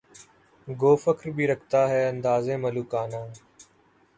گو فقر بھی رکھتا ہے انداز ملوکانہ